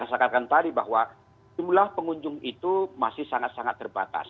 saya katakan tadi bahwa jumlah pengunjung itu masih sangat sangat terbatas